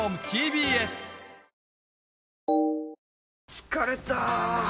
疲れた！